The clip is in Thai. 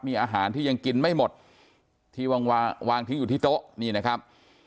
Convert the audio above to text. มีอาหารที่ยังกินไม่หมดที่วางวางทิ้งอยู่ที่โต๊ะนี่นะครับ